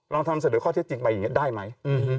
ลองทำเสนอข้อเท็จจริงไปอย่างนี้ได้ไหม